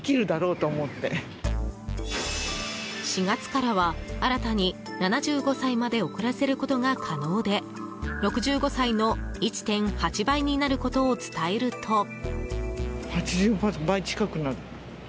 ４月からは新たに７５歳まで遅らせることが可能で６５歳の１．８倍になることを伝えると。